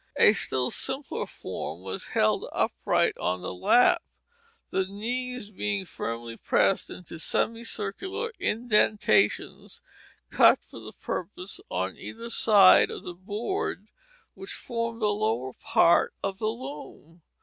A still simpler form was held upright on the lap, the knees being firmly pressed into semicircular indentations cut for the purpose on either side of the board which formed the lower part of the loom.